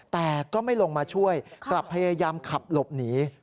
แต่ก็ไม่ลงมาช่วยกลับพยายามขับหลบหนี